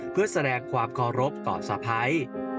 เพื่อแสดงความเคารพต่อสะพ้าย